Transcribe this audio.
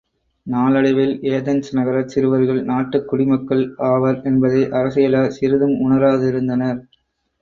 நாளடைவில் ஏதென்ஸ் நகரச் சிறுவர்கள் நாட்டுக் குடிமக்கள் ஆவர் என்பதை அரசியலார் சிறிதும் உணராதிருந்தனர்.